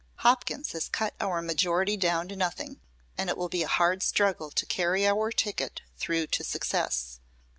Hopkins has cut our majority down to nothing, and it will be a hard struggle to carry our ticket through to success.